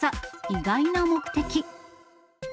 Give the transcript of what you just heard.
意外な目的。